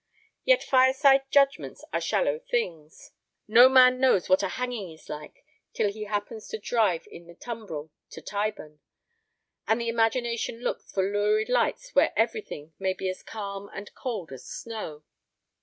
Yet fireside judgments are shallow things. No man knows what a hanging is like till he happens to drive in the tumbrel to Tyburn, and the imagination looks for lurid lights where everything may be as calm and cold as snow.